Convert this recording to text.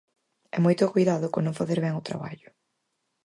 E moito coidado con non facer ben o traballo.